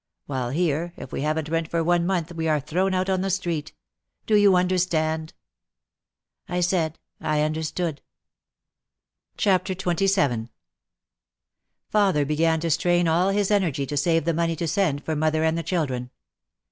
While here, if we haven't rent for one month we are thrown out on the street. Do you understand ?" I said I understood. 108 OUT OF THE SHADOW XXVII Father began to strain all his energy to save the money to send for mother and the children.